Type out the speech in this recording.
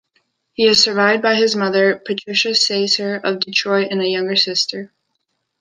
He is survived by his mother, Patricia Sasser of Detroit, and a younger sister.